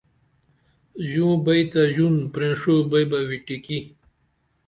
ژوں بئی تہ ژون پریڜوں بئی بہ وٹیٹِکِی